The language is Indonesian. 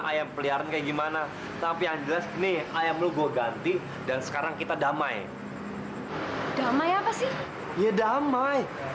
ayam peliharan keimana tapi anjret ini ayam lu gua ganti dan sekarang kita damai damai pas ini ja damai